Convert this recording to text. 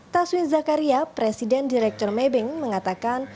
taswiz zakaria presiden direktur my bank mengatakan